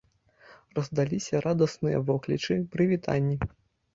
Раздаліся радасныя воклічы, прывітанні.